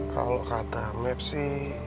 kalau kata mepsi